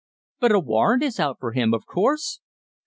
"But a warrant is out for him, of course?"